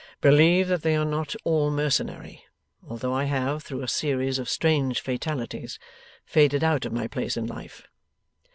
Believe that they are not all mercenary, although I have, through a series of strange fatalities, faded out of my place in life.